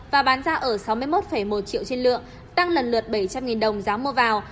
và bán ra ở sáu mươi một một triệu trên lượng tăng lần lượt bảy trăm linh đồng giá mua vào